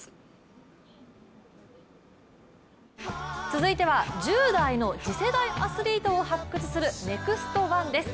続いては１０代の次世代アスリートを発掘する「ＮＥＸＴ☆１」です。